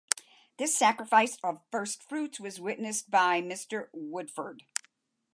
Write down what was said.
This sacrifice of first-fruits was witnessed by Mr. Woodford.